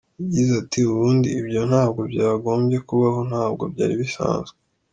Yagize ati “Ubundi ibyo ntabwo byagombye kubaho nabwo byari bisanzwe.